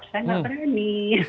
saya tidak berani